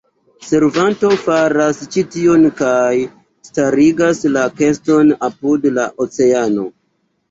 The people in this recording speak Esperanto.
Servanto faras ĉi tion kaj starigas la keston apud la oceano.